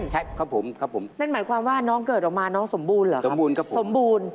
ขยับรถมันส้มกินน้ำมัน